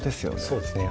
そうですね